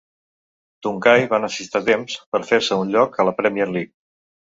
Tuncay va necessitar temps per fer-se un lloc a la Premier League.